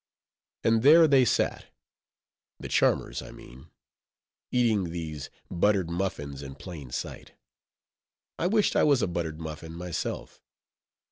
And there they sat—the charmers, I mean—eating these buttered muffins in plain sight. I wished I was a buttered muffin myself.